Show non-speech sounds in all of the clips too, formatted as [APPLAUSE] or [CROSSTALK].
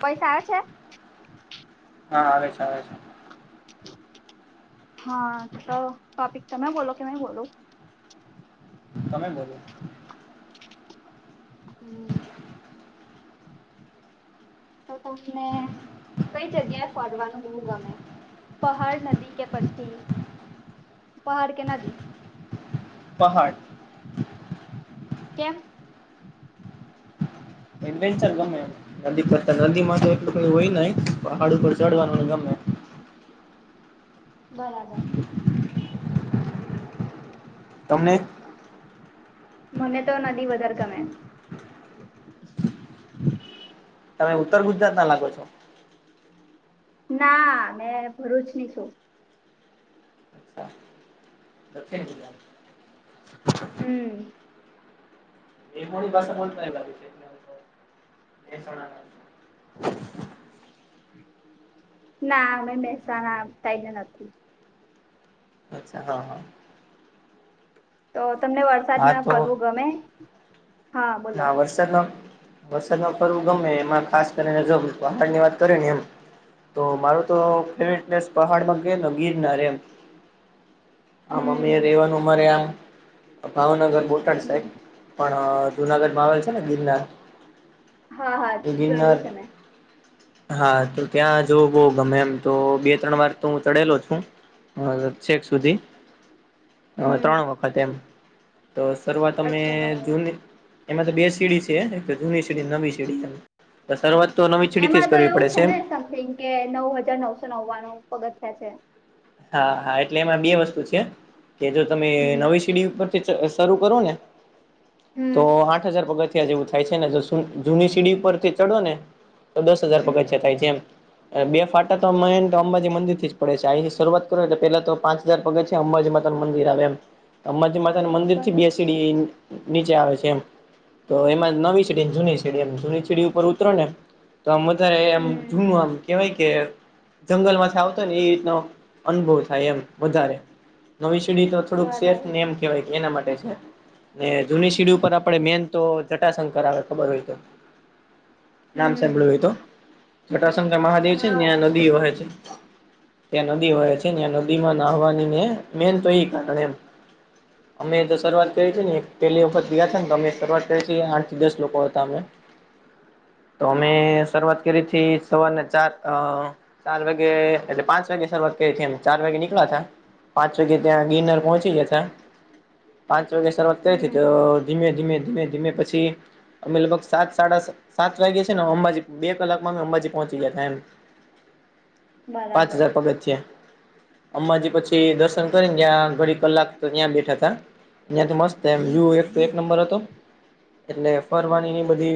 પૈસા છે. હા આવે છે આવે છે. હા ટોપિક તમે બોલો કેમે બોલો. તમે બોલો. હમ. તો તમને કઈ જગ્યાએ ફરવા નું હ ગમે. પહાડ નદી કે પછી પહાડ કે નદી પહાડ કેમ એે ચ મેને નદી પતા નદીમાં તો એક હોય નહ પણ હાડ ઉપર ચઢવાનું ન ગમે બરાબર તમને મને તો નદી વધારે ગમે તમે ઉત્તર ગુજરાત ના લાગો છો. ના મેં ભરૂચની છું. અચ્છા દક્ષિણ દલા હમ એ થોડી ભાષા બલતા લાગે છે. ના અમે બેસાના થાયને નથી અચ્છા તો તમને હા વરસાદમાં તો ફરવુ ગમે હા વરસાદમાં વરસાદ ન ફરવું ગમે એમાં ખાસ કરીને જો પહાડ ની વાત કરી ને એમ તો મારું તો ફેવટ પ્સ પહાડમાં ગ ગીરનાર એમ આ મમ્ી હમ રેવાનું મારે આમ ભાવનગર બોટાદ સાહેબ હમ પણ જુનાગઢમાં આવેલ છે ને ગિરનાર હા હા એ ગિરનાર જોયેલું છે મેં હા તો ત્યાં જો બહ ગમે એમ તો બે ત્રણ વાર તો હું ચડેલો છું. હ છેક સુધી હ હમ ત્રણ વખત એમ તો શરૂઆત અમે અચ્છા બરાબર જૂની એમાં તો બે સીડી છે જૂની સીડી નવી સીડી છે શરૂઆત તો નવી સીડીથી જ એમાં તો કરવી એવું પડે છે ને સમથિંગ કે નવ હજાર નવસો નવ્વાણું પગથ થિયા છે. હા હા એટલે એમાં બે વસ્તુ છે કે જો તમે હમ નવી સીડી ઉપર શ કરું ને તો હમ આઠ હજાર પગ જેવું થાય છે ને જો જૂની સીડી ઉપરથી ચડો ને તો દસ હજાર હમ પગચિયા થાય છે એમ. બે ફાટા તો એને તો અંબાજી મંદિર થી જ પડે છે આ શરૂઆત કરો તો પેલા તો પાંચ હજાર પગ છે અંબાજી માતા નું મંદિર આવે એમ અંબાજી માતાું મંદિર થી બરાબર બે સીડી નીચે આવે છે એમ. તો એમાં નવી સડીમ જૂની સેડીયમ જૂની સીડી ઉપર ઉતરો નેમ તો આ વધારે એમ હમ જૂનું આમ કેહેવાય કે જંગલ માંથી આવતો ને એ રીતનો અનુભવ થાય એમ વધારે નવી સડી તો થોડુંક બરાબર સેફ ને એમ કહેવાય કે એના માટે છે. ને જૂની સીડી ઉપર આપડે મેન તો જટાશંકર આવે ખબર હોય તો નામ હમ સાંભળ્યુંય તો જટાશંકર મહાદેવ છે હા ત્યાં નદી વહે છે. ત્યાં નદી હોય છે ્યા નદીમાં નાહવાની ને મેન તો એ કારણ એમ અમે તો શરૂઆત કરી છે ને એક પહેલી વખત ગયા હતા ને તો અમે શરૂઆત કરી છેી આઠ થી દસ લોકો હતા અમે તોમે હા સર્વત કેરી થી સવારને ચાર ચાર વાગે એટલે પાંચ વાગે શઆત ચાર વાગે નીકળ્યા તા પાંચ વાગે ત્યાં ગિરનાર પહોંચી ગયા હતા. પાંચ વાગ્યા શરૂઆત કરી હતી તો હમ ધીમે ધીમે ધીમે ધીમે પછી અમે લગભગ સાત સાડા સાત વાગે અંબાજી બે કલાકમાં અમે અંબાજી પહોંચી ગીયા હતા એમ પાંચ બરાબર હજાર પગથિયાં અમ્બાજી પછી દર્શન કરીને જ્યાં ઘડી કલાક ત્યાં બેઠા તા અઈયા તો મસ્ત એમ [UNINTELLIGIBLE] એક એક નંબર હતો. એટલે ફરવાનીની બધી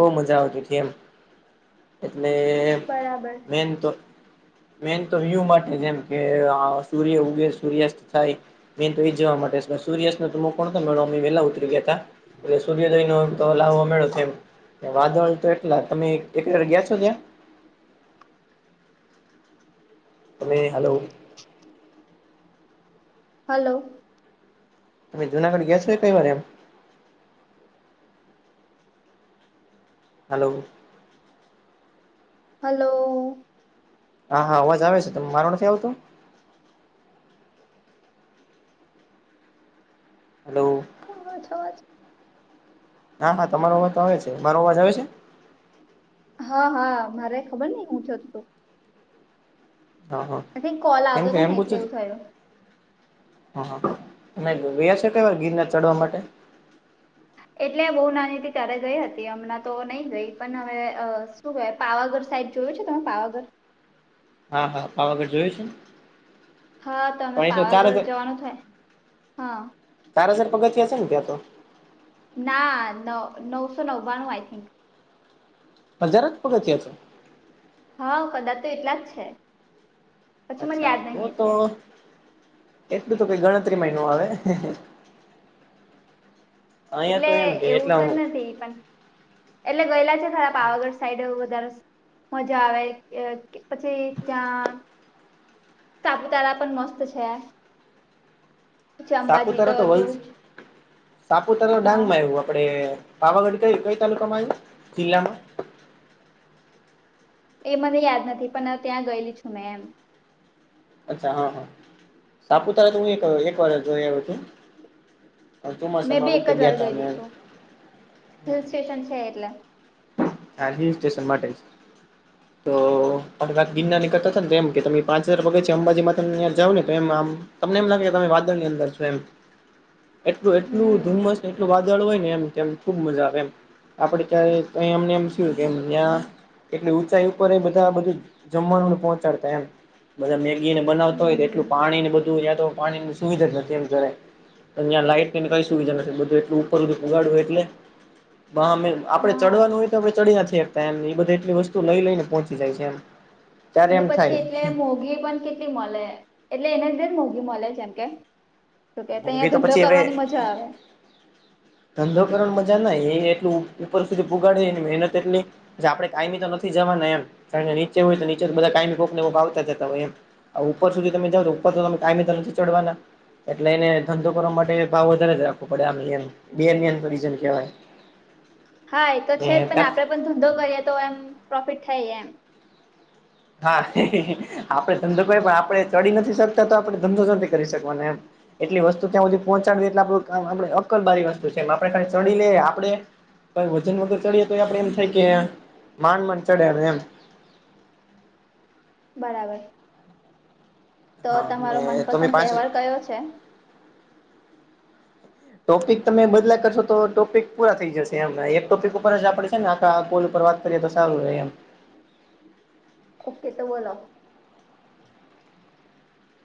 બો મજા આવતી હતી એમ એટલે બરાબર મેન તો મેન તો [UNINTELLIGIBLE] માટે જેમ કે સૂર્ય ઉગે સૂર્યાસ્ત થાય. મેન તો એજ જોવા માટે સૂર્યા કોણ મેળવ અમે વહેલા ઉતરી ગયા હતા એટલે સૂર્યોદયો તો લાવો મેળો છે એમ વાદળ તો એટલા તમે એકર ગીયા છો ત્યાં? તમે હાલો. હાલો. તમે જુનાગઢ ગયા છો કઈ વાર એમ હા. હાલો. હા હા અવાજ આવે છે મારો નથી આવતો? હાલો. [INAUDIBLE] હા હા તમારો અવાજ તો આવે છે મારો અવાજ આવે છે? હા હા મારે ખબર ની હું થતું હતું. હા હા આઈ કોલ કેમ આવતો કે હતો ને એમ એટલે પૂછું? એવું થયું હ હ તમે ગીતા છો કોઈ વાર ગીરના ચઢવા માટે. એટલે બો નાની હતીથી ત્યારે ગઈ હતી હમણાં તો નઈ ગઈ પણ હવે શું કેવ પાવાગઢ સાઈડ જોયું છે તમે પાવાગઢ હા હા પાવાગર જોયું છે. હા તમે પણ એ તો ચાર પાવાગઢ હજાર જવાનું થાય હા ચાર હજાર પગથીયા છે ને ત્યાં તો. ના ન નવસો નવ્વાણું આઈ થિંક. હજાર જ પગથિયાં છે? હા કદાચ તો એટલા જ છે પછી મને અચ્છા યાદ તો નહીં તો એટલે. એટલું તો કઈ ગણતરી નય આવે. અહિયાં તો એટલે એમ કે એવું એટલા તો નથી પણ એટલે ગયેલા છે ખરા પાવાગઢ સાઈડ વધારે મજા આવે પછી ત્યાં સાપુતારા પણ મસ્ત છે પછી અંબાજી તો સાપુતારા વલ જોઉ જ સાપુતારા ડાંગ હા માં આવું આપડે પાવાગઢ ક કઈ તાલુકા માં આવ્યું જિલ્લામાં એ મને યાદ નથી પણ ત્યાં ગયેલી છું મેં એમ અચ્છા હા હા સાપુતારા તો હું એક એક વાર જોય આવ્યો હતુ મેં ચોમાસામાં બી આ એક વખતે જ વાર ગયા ગયેલી તા. છું [UNINTELLIGIBLE] આ હિલ સ્ટેશન માટે તો પણત ગિરનાનીકતા હતા ને તો એમ કે તમે પાંચ હજાર પગે છે અંબાજીમાં તમે જાાવ ને તો એમ આમ તમને એમ લાગે તમે વાદળની અંદર છો એમ એટલું એટલું હમ ધુમ્મસને એટલું વાદળ હોય ને એમ કેમ ખુબ મજા આવે એમ આપડે ક્યારે. [UNINTELLIGIBLE] એટલે ઊંચાઈ ઉપર એ બધા બધું જમવાનુંને પહોંચાડતા એમ. બધા મેગી ને બનાવતા હોય હમ એટલું પાણી ને બધું યા તો પાણીની સુવિધા નથી [INAUDIBLE] ત્યા લાઈટને કઈ સુવિધા નથી બધું એટલું ઉપર હુધી પુગાડવું એટલે [INAUDIBLE] હા ચડવાનું હોય તા એમ એ બધ એટલી વસ્તુ લઈ લઈને પહોંચી જાય છે એમ- - ને પછી એટલે મોગી પણ કેટલી મળે. એટલે એને જ મોઘી મળે છે એમ કે કે અહીિયાંયા ઊંઘી તો ધંધો પછી હવે કરવાની મજા આવે. ધંધો કરણ મજા ના એટલું ઉપર સુધી પગાડે એની મહેનત એટલી- - આપણે કાયમી તો નથી જવાના એમ નીચે હોય તો નીચે તો બધા કાયમીકને ભ આવતા જતા હોય એમ- - ઉપર સુધી તમે જાાવને ઉપર તો તમે કાયમેી તો નથી ચડવાના. એટલે એને ધંધો કરવા માટે ભાવ વધારે જ રાખવો પડે આ રન કેવાય હા એ તો ને છે જ પણ આપડે પણ ધંધો કરીએ તો એમ પ્રોફિટ થાય એમ હા આપડે ધંધો ક પણ આપડે ચડી નથી શકતા તો આપડણે ધંધો કરી શકવાનો એમ. એટલી વસ્તુ ક્યાં સુધી પહોંચાડવી એટલે આપુંામ આપણે અકલબારી વસ્તુ છે એમ આપણે ખાલી ચડીલે આપણે. વજન વગર ચડીએ તો આપડે એમ થાય કે માંડ માડ ચડે એમ. બરાબર તો હા તમારો ને તમે મનપસંદ પાંચ તહેવાર કયો છે? ટોપિક તમે બદલા કરશો તો ટોપિક પૂરા થઈ જશે એમ એક ટોપિક ઉપર જ આપડે છે ને આખા કોલ ઉપર વાત કરીએ તો સારુ એમ. ઓકે તો બોલો?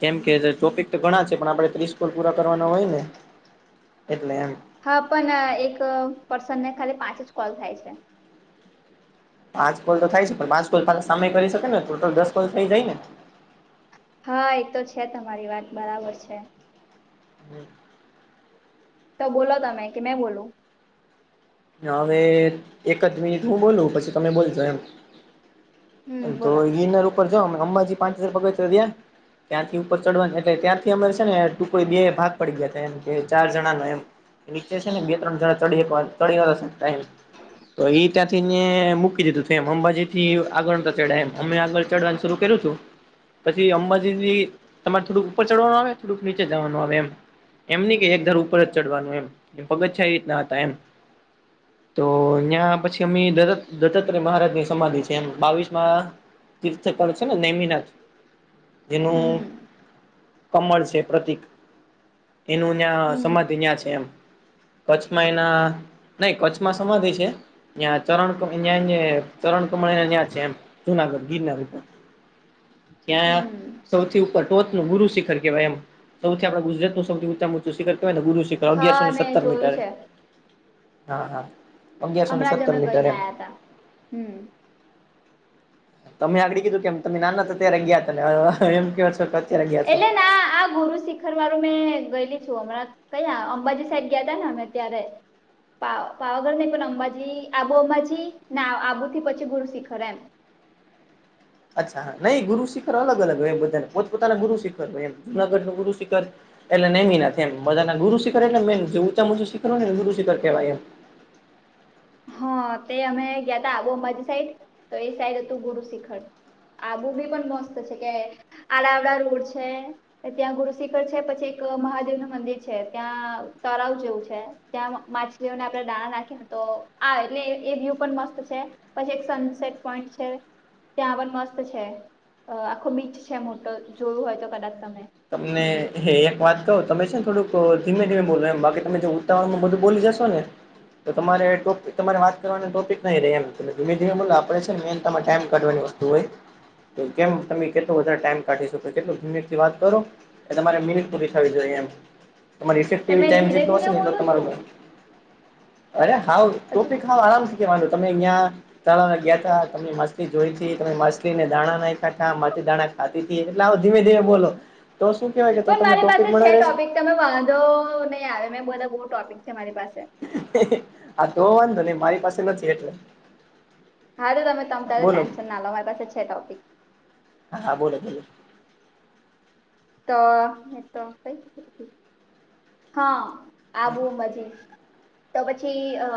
કેમ કે ટોપિક તો ઘણા છે પણ આપણે ત્રીસકોલ પૂરા કરવાના હોય ને એટલે એમ. હા પણ એક પર્સન ને ખાલી પાંચ જ કોલ થાય છે. પાંચ કોલ તો થાય છે પણ પાંચ કોલ ખા સામેય કરી શકે ને ટોટલ દસ કોલ થઈ જાય ને. હા એ તો છે તમારી વાત બરાબર છે. [INAUDIBLE] તો બોલો તમે કે મેં બોલુ? હવે એક જ મિનિટ હું બોલું પછી તમે બોલજો એમ. હમ તો બોલો ગિનાર ઉપર જા અમ્બજી પાંચ હજાર પગાવતા ત્યાં ત્યાંથી ઉપર ચડવાનું એટલે ત્યાંથી અમારે છે ને ટૂંક બે ભાગ પડી ગયા હતા એમ કે ચાર જણા ન એમ. નીચે છે ને બે ત્રણ જણા ચડી ચડીને ટાઈમ તો એ ત્યાંથી ને મૂકી દીધું છે એમ અંબાજી થી આગળ ચડ એમ અમે આગળ ચઢવાનું શરૂ કરું છું. પછી અંબાજીથી તમારે થોડુંક ઉપર ચડવાનું આવે થોડુંક નીચે જવાનું આવે એમ. એમની કે એક ધર ઉપર જ ચડવાનું એમ પગથિયા રીતના હતા એમ. તો ત્યાં પછી અ દત્તાત્રેય મહારાજ ની સમાધિ છે એમ બાવીસ માં તીર્થ કર છે ને નેમી ના જેનું હમ કમળ છે પ્રતીક. એનુંં હમ સમાધિ અં છે એમ કચ્છમાં એના નહી કચ્છમાં સમાધિ છે. ત્યાં ચરણ્યાં ચરણ કમળને્યાં છે એમ જુનાગઢ ગીરના પર ક્યાં? હમ સૌથી ઉપર ટોચનું ગુરુ શિખર કેવાય એમ સૌથી આપે ગુજતનુંૌથીઊંચાચુંિખરવાયને ગુરુશિખર. હા અગયારસો મેં સતર જોયું મીટર. છે હા હા અગિયારસોને હમણાં જ સત્તર અમે મીટર ગઈને એમ. આવ્યા હતા હમ તમે આગળડી કીધું કેમ તમે નાના હતા ત્યારે ગયા હતા વે એમ કેવા છો. અત્યારે ગયા છો. એટલે ના આ ગુરુ શી ર વારું મેં ગયેલી છું હમણાં કયા અંબાજી સાઈડ ગયા તા ને અમે ત્યારે. પાવાગઢ નઈ પણ અંબાજી આબુ અંબાજી આબુથી પછી ગુરુ શિખર એમ. અચ્છા હા નઈ ગુરુ શિખર અલ અલ હોય એ બધાને પોતાનાુ શિખર હોય એમ જુનાગઢનું ગુરુશિખર એટલે નનેમી નથી એમધાના ગુિખર એટલે મે ઉચું શિખર હોય ને ગુરુશિખર કેવા એમ. હા તે અમે ગયા ત આબો અંબાજી સાઈડ તો એ સાઈડ હતું ગુરુ શિખર. આબુ બી પણ મસ્ત છે કે આડા આવડા રોડ છે. ત્યાં ગુરુ શિખર છે પછી એક મહાદેવનું મંદિર છે ત્યાં તળાવ જેવું છે. ત્યાં માછલીઓને આપણે દાણા નાખીએને તો હા એટલે એ વ્યુ પણ મસ્ત છે પછી એક સનસેટ પોઈન્ટ છે. ત્યાં આગળ મસ્ત છે આખું બીચ છે મોટો જોયું હોય તો કદાચ તમે. તમને મે બી હે એક વાત. તો તમે છે ને થોડુંક ધીમે ધીમે બોલો એમ બાકી તમે જે ઉતાવરણમાં બધું બોલી જશો ને. તો તમારે તમારે વાત કરવાનું ટોપિક નઈ રેય એમ ધીમે ધીમે બોલો આપડે છે ને એન તમારે ટાઈમ કાઢવાની વાત. હોય તો કેમ તમે કેટલો વધારે ટાઈમ કાઢી શકો તો કેટલો મિનિટથી વાત. કરો એ તમારે મિનટ પુરી થવી જોઈએ એમ. તમાર રીસેસ ફ્રી તમે ટાઈમ ધીરે જેશ ધીરે હશે ને એ બોલો તમાર છો અરે હાવ હજુ ટોપક હા, આરામથી કેવાનુ તમે અહિયાં. તળ લ ગયા તા તમે માછલી જોઈ તમે માછલી ને દાણા નાહી ખાા મા દાણા. આતીતી એટલે આવ ધીમે ધીમે બોલો તો શું કેવાય કે પણ તમને મારી ટોપિક પાસે મળે છે રહેશે. ટોપિક તમે વાંધો નઈ આવે મેં બધાં બો ટોપિક છે મારી પાસે. હ તો વાંધો ની મારી પાસે નથી એટલે. હા, તો તમે તમે તારે બોલો ટેન્શન ના લો મારી પાસે છે ટોપિક. હા, બોલો ચલો તો એ તો કઈ ટોપિક હા, આબુ અંબાજી. તો પછી અ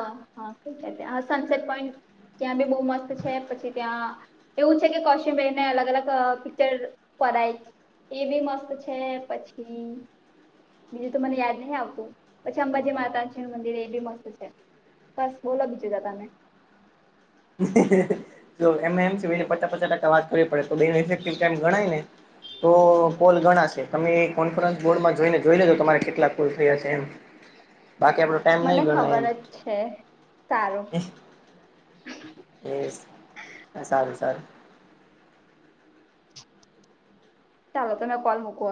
કઇ ગયા હતા સનસેટ પોઈન્ટ ત્યાં બી બો મસ્ત છે પછી ત્યાં. એવું છે કે કૌશિકભાઈને અલગ અલગ પિક્ચર પરાય. એ બી મસ્ત છે પછી બીજું તો મને યાદ ની આવતું પછી અંબાજી માતાજીનુ મંદિર એ બી મસ્ત છે. બસ બોલો બીજું તો તમે. એમાં એમ છેને પચાસ પચાસ ટકા વાત કરવી પડે તોફ ગણાયને. તો કોલ ગણા છે તમે કોન્ફરન્સ બોર્ડમાં જોઈને જોઈ લેજો તમારે કેટલા કોલ થયા છે એમ. બાકી આપડે. મને ખબર જ છે સારું. એસ હા સારું સારું. ચાલો તો મેં કોલ મૂકુ અવે